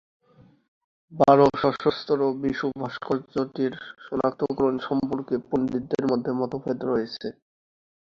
বারো-সশস্ত্র 'বিষ্ণু' ভাস্কর্যটির সনাক্তকরণ সম্পর্কে পণ্ডিতদের মধ্যে মতভেদ রয়েছে।